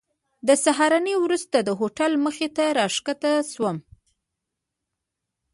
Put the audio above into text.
د سهارنۍ وروسته د هوټل مخې ته راښکته شوم.